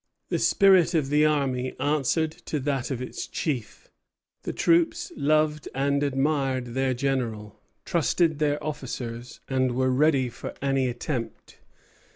The spirit of the army answered to that of its chief. The troops loved and admired their general, trusted their officers, and were ready for any attempt.